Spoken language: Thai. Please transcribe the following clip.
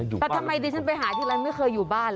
แต่ทำไมดิฉันไปหาทีไรไม่เคยอยู่บ้าน